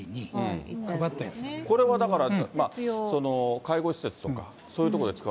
これはだから、介護施設とか、そういうところで使う。